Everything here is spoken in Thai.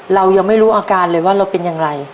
เรายังไม่รู้อาการเลยว่าเราเป็นอย่างไร